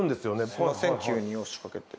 すみません急に押しかけて。